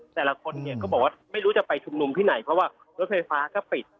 แต่ละคนเนี่ยก็บอกว่าไม่รู้จะไปชุมนุมที่ไหนเพราะว่ารถไฟฟ้าก็ปิด